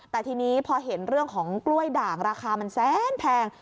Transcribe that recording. แต่ทีนี้พอเห็นเรื่องของกล้วยด่างราคามันแสนแพง